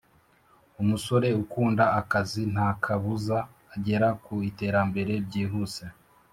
Umusore ukunda akazi ntakabuza agera ku iterambere byihuse